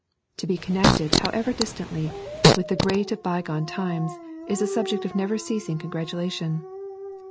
To be connected, however distantly, with the great of bygone times, is a subject of never ceasing congratulation.